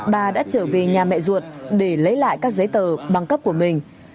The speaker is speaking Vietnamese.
bà đã trở về nhà mẹ ruột để lấy lại các giấy tờ bằng cấp của mình